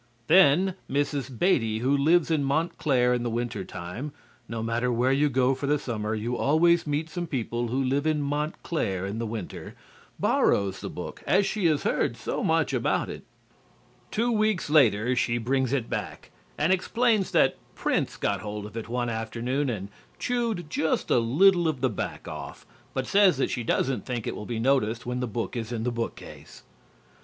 Then Mrs. Beatty, who lives in Montclair in the winter time (no matter where you go for the summer, you always meet some people who live in Montclair in the winter), borrows the book, as she has heard so much about it. Two weeks later she brings it back, and explains that Prince got hold of it one afternoon and chewed just a little of the back off, but says that she doesn't think it will be noticed when the book is in the bookcase.